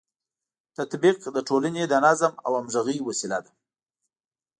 تطبیق د ټولنې د نظم او همغږۍ وسیله ده.